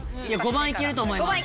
５番いけると思います。